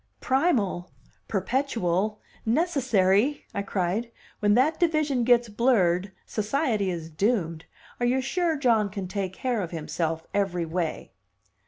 "Primal, perpetual, necessary!" I cried. "When that division gets blurred, society is doomed. Are you sure John can take care of himself every way?"